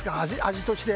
味として。